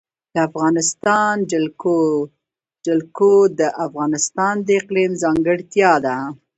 د افغانستان جلکو د افغانستان د اقلیم ځانګړتیا ده.